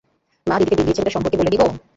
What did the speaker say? মা, দিদিকে দিল্লির ছেলেটা সম্পর্কে বলে দিবো?